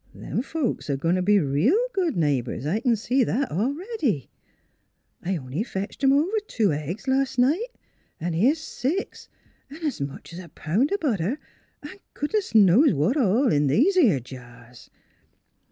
" Them folks 're a goin' t' be reel good neighbors; I c'n see that a'ready. I only fetched 'em over two eggs las' night, 'n' here's six an' much 's a pound o' butter, 'n' goodness knows what all in these 'ere jars."